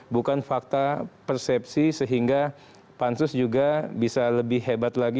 bukan fakta persepsi sehingga pansus juga bisa lebih hebat lagi